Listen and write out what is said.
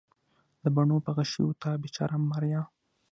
د بڼو په غشیو تا بیچاره ماریا